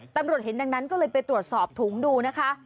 ตำรวจเห็นดังนั้นก็เลยไปตรวจสอบถุงดูนะคะ